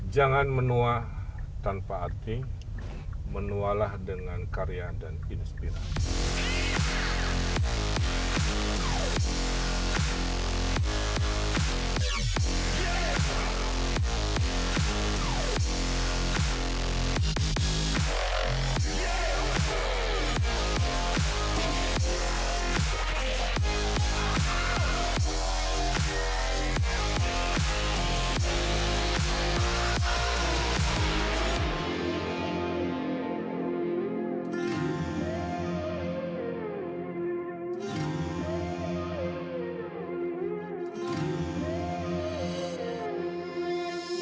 jangan menua tanpa arti menualah dengan karya dan inspirasi